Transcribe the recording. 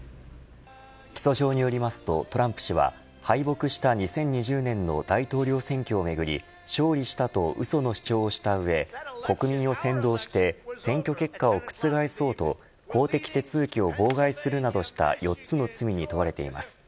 起訴状によりますとトランプ氏は敗北した２０２０年の大統領選挙をめぐり勝利したとうその主張をした上国民を扇動して選挙結果を覆そうと公的手続きを妨害するなどした４つの罪に問われています。